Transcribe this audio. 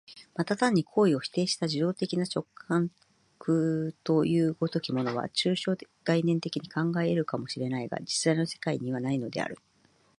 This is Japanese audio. また単に行為を否定した受働的な直覚という如きものは、抽象概念的に考え得るかも知れないが、実在の世界にはないのである。